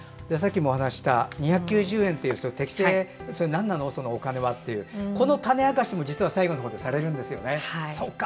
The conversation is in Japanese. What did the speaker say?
２９０円というなんなのそのお金はというこの種明かしも実は最後の方でされるんですよね。